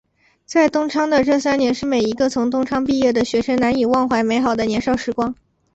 在东昌的这三年是每一个从东昌毕业的学生难以忘怀美好的年少时光。